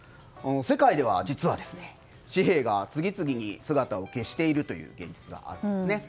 世界では実は、紙幣が次々に姿を消しているという現実があるんですね。